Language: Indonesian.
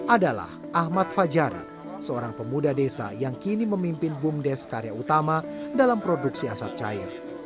adalah ahmad fajari seorang pemuda desa yang kini memimpin bumdes karya utama dalam produksi asap cair